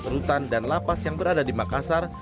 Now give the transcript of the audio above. rutan dan lapas yang berada di makassar